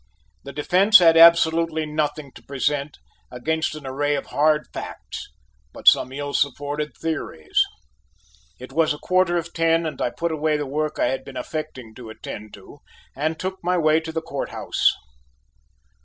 The defence had absolutely nothing to present against an array of hard facts, but some ill supported theories. It was a quarter to ten o'clock, and I put away the work I had been affecting to attend to, and took my way to the court house.